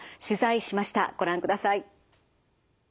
ご覧ください。